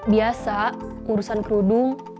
biasa urusan kerudung